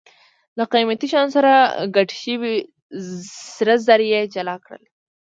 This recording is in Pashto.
له قیمتي شیانو سره ګډ شوي سره زر یې جلا کړل.